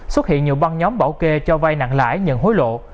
xuất hiện nhiều băng nhóm bảo kê cho vai nặng lãi nhận hối lộ